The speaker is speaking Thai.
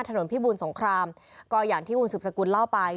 ถนนพิบูลสงครามก็อย่างที่คุณสุบสกุลเล่าไป